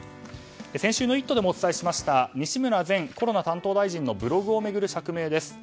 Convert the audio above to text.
先週の「イット！」でもお伝えした西村前コロナ担当大臣のブログを巡る釈明です。